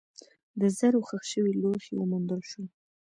د زرو ښخ شوي لوښي وموندل شول.